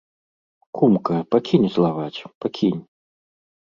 Кумка, пакінь злаваць, пакінь.